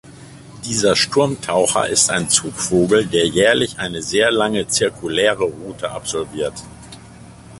Dieser Sturmtaucher ist ein Zugvogel, der jährlich eine sehr lange zirkuläre Route absolviert.